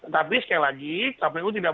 tapi sekali lagi kpu tidak